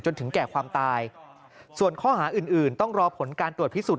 ถึงแก่ความตายส่วนข้อหาอื่นต้องรอผลการตรวจพิสูจน